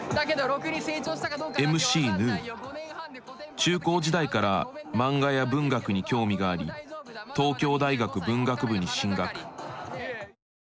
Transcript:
中高時代から漫画や文学に興味があり東京大学文学部に進学。